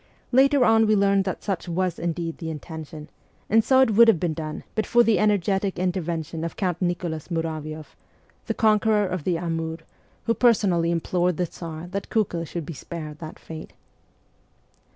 Later on we learned that such was indeed the intention ; and so it would have been done but for the energetic intervention of Count Nicholas Muravioff, ' the conqueror of the Amur,' who personally SIBERIA 211 implored the Tsar that Kiikel should be spared that fate.